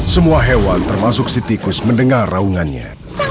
semua hewan termasuk sitikus mendengar raungannya